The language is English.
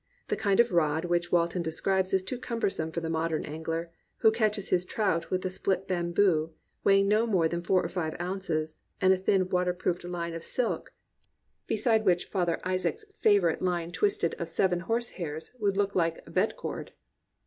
The kind of rod which Wal ton describes is too cumbrous for the modern angler, who catches his trout with a split bamboo weighing no more than four or five ounces, and a thin water proofed line of silk beside which Father Izaak's 2^7 COMPANIONABLE BOOKS favourite line twisted of seven horse hairs would look like a bed cord.